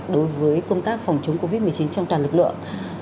đối với công tác phòng chống covid một mươi chín trong toàn lực lượng